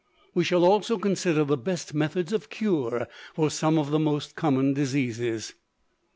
We shall also consider the best methods of cure for some of the most common diseases.